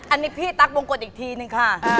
อันนี้พี่ตั๊กบงกฎอีกทีนึงค่ะ